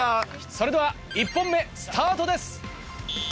それでは１本目スタートです。